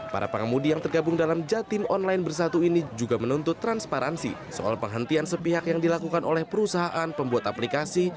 para pengemudi yang tergabung dalam jatim online bersatu ini juga menuntut transparansi soal penghentian sepihak yang dilakukan oleh perusahaan pembuat aplikasi